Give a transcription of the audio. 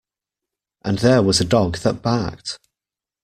And there was a dog that barked.